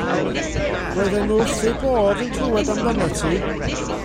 Roedden nhw wrth eu bodd yn clywed amdanat ti.